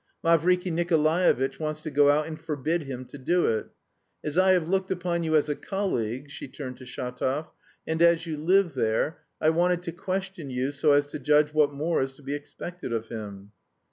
Mavriky Nikolaevitch wants to go out and forbid him to do it. As I have looked upon you as a colleague," she turned to Shatov, "and as you live there, I wanted to question you so as to judge what more is to be expected of him."